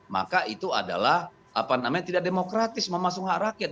maka itu adalah tidak demokratis memasung hak rakyat